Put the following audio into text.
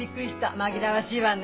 紛らわしいわね